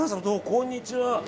こんにちは。